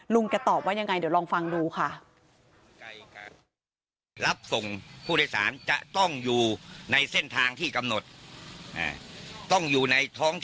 ลองฟังดูค่ะ